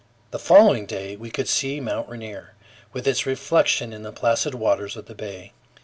The following day we could see Mt. Rainier, with its reflection in the placid waters of the bay.